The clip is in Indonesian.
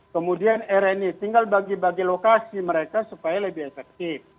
kemudian rni tinggal bagi bagi lokasi mereka supaya lebih efektif